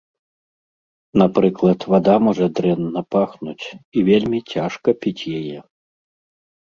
Напрыклад, вада можа дрэнна пахнуць, і вельмі цяжка піць яе.